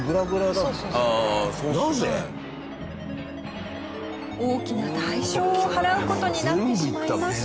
大きな代償を払う事になってしまいました。